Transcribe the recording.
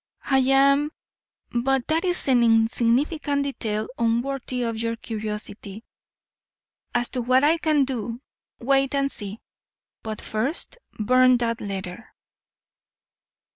"I am But that is an insignificant detail unworthy of your curiosity. As to what I can do, wait and see. But first burn that letter."